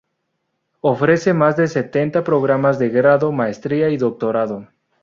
Ofrece más de setenta programas de grado, maestría y doctorado.